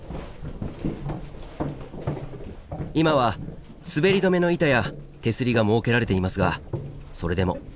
今は滑り止めの板や手すりが設けられていますがそれでも上るのは一苦労。